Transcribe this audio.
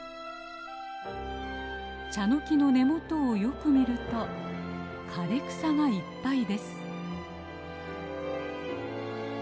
チャノキの根元をよく見ると枯れ草がいっぱいです。